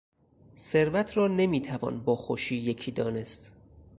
ثروت را نمیتوان با خوشی یکی دانست.